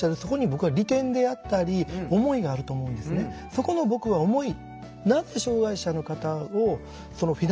そこの僕は思い。